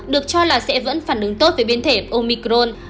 được cho là sẽ vẫn phản ứng tốt với biến thể omicron